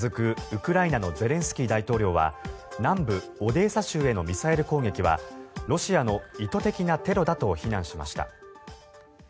ウクライナのゼレンスキー大統領は南部オデーサ州へのミサイル攻撃はロシアの意図的なテロだと非難しました。